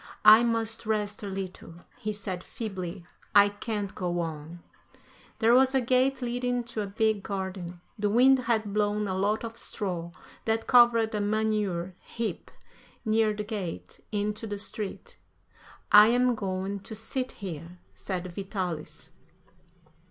"I must rest a little," he said, feebly; "I can't go on." There was a gate leading to a big garden. The wind had blown a lot of straw, that covered a manure heap near the gate, into the street. "I am going to sit here," said Vitalis.